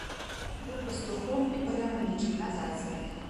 Быў пастухом і паляўнічым на зайцаў.